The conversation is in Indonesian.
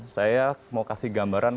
saya mau kasih gambaran